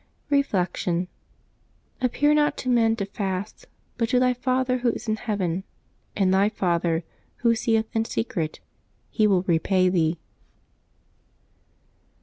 Reflection. — "Appear not to men to fast, but to thy Father Who is in heaven, and thy Father, Who seeth in secret, He will repay thee."